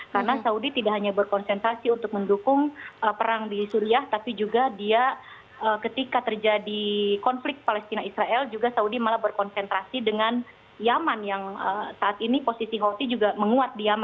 karena saudi tidak hanya berkonsentrasi untuk mendukung perang di suriah tapi juga dia ketika terjadi konflik palestina israel juga saudi malah berkonsentrasi dengan yaman yang saat ini posisi houthi juga mengendur